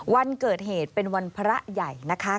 วันเกิดเหตุเป็นวันพระใหญ่นะคะ